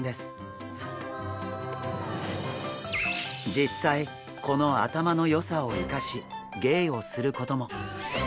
実際この頭の良さを生かし芸をすることも！